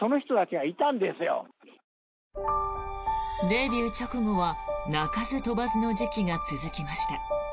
デビュー直後は鳴かず飛ばずの時期が続きました。